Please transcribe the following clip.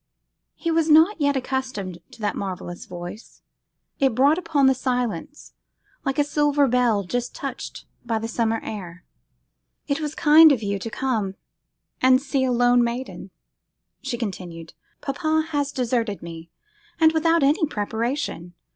He was not yet accustomed to that marvellous voice. It broke upon the silence, like a silver bell just touched by the summer air. 'It is kind of you to come and see a lone maiden,' she continued; 'papa has deserted me, and without any preparation.